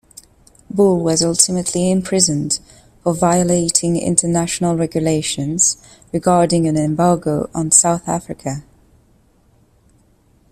Bull was ultimately imprisoned for violating international regulations regarding an embargo on South Africa.